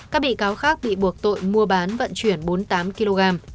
các bị cáo khác bị buộc tội mua bán vận chuyển bốn mươi tám kg